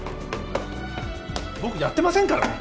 僕やってませんからね。